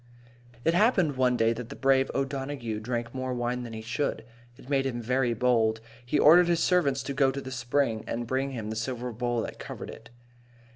It happened one day that the brave O'Donaghue drank more wine than he should. It made him very bold. He ordered his servants to go to the spring and bring him the silver bowl that covered it.